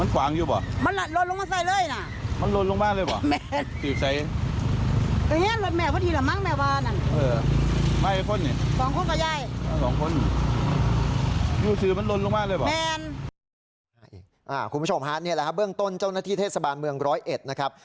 คุณผู้ชมฮาร์ดเนี่ยแหละครับเบื้องต้นเจ้าหน้าที่เทศบาลเมือง๑๐๑นะครับ